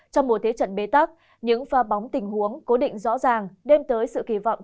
trong một thế trận bế tắc những pha bóng tình huống cố định rõ ràng đem tới sự kỳ vọng